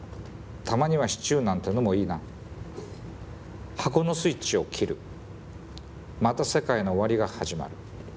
たまにはシチューなんてのもいいな箱のスイッチを切るまた世界の終わりが始まる」。